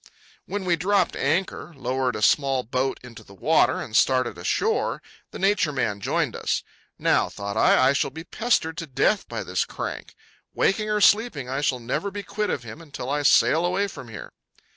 When we dropped anchor, lowered a small boat into the water, and started ashore, the Nature Man joined us. Now, thought I, I shall be pestered to death by this crank. Waking or sleeping I shall never be quit of him until I sail away from here.